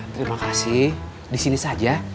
terima kasih disini saja